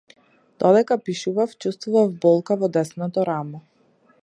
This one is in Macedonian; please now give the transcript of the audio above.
Додека пишував чуствував болка во десното рамо.